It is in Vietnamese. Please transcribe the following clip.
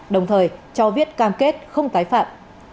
đồng thời cho viết cam kết không tái phạm